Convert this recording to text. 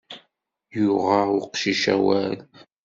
Yuɣa uqcic awal.